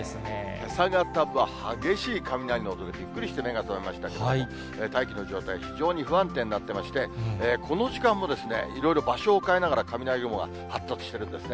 けさ方は、激しい雷の音でびっくりして目が覚めましたけど、大気の状態、非常に不安定になっていまして、この時間もいろいろ場所を変えながら、雷雲が発達しているんですね。